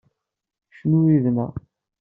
Cnu yid-neɣ.